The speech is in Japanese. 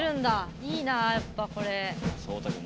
いいなあやっぱこれ。